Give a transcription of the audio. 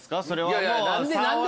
いやいや何で。